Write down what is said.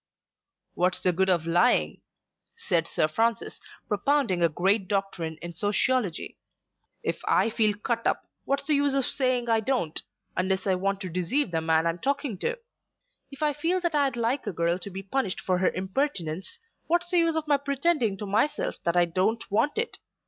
"What's the good of lying?" said Sir Francis, propounding a great doctrine in sociology. "If I feel cut up what's the use of saying I don't, unless I want to deceive the man I'm talking to? If I feel that I'd like a girl to be punished for her impertinence, what's the use of my pretending to myself that I don't want it?